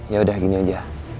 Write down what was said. yaudah gini aja